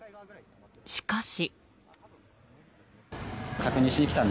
しかし。